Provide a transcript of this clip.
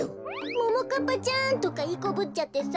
ももかっぱちゃんとかいいこぶっちゃってさ。